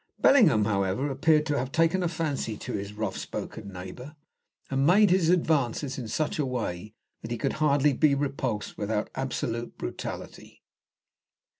Bellingham, however, appeared to have taken a fancy to his rough spoken neighbour, and made his advances in such a way that he could hardly be repulsed without absolute brutality.